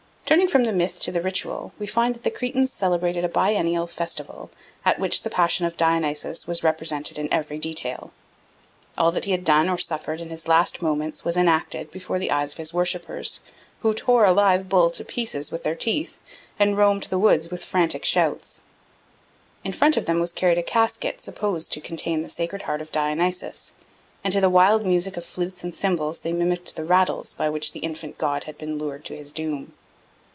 Turning from the myth to the ritual, we find that the Cretans celebrated a biennial festival at which the passion of Dionysus was represented in every detail. All that he had done or suffered in his last moments was enacted before the eyes of his worshippers, who tore a live bull to pieces with their teeth and roamed the woods with frantic shouts. In front of them was carried a casket supposed to contain the sacred heart of Dionysus, and to the wild music of flutes and cymbals they mimicked the rattles by which the infant god had been lured to his doom.